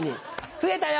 増えたよ！